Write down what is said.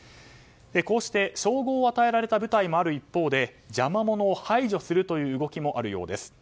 こうして、称号を与えられた部隊もある一方で邪魔者を排除するという動きもあるようです。